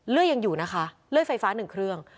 เลือดยังอยู่นะคะเลือดไฟฟ้าหนึ่งเครื่อง